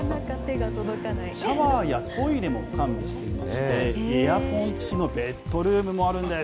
シャワーやトイレも完備していまして、エアコン付きのベッドルームもあるんです。